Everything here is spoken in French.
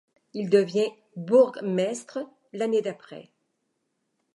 Il devient bourgmestre l'année d'après.